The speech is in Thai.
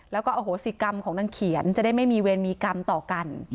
แล้วก็อโหสิกรรมของนางเขียนจะได้ไม่มีเวรมีกรรมต่อกัน